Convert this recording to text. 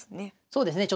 そうですね。